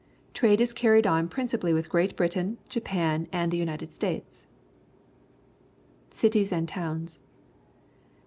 Trade is carried on principally with Great Britain, Japan, and the United States. Cities and Towns.